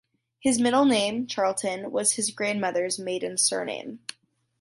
His middle name (Charlton) was his grandmothers maiden surname.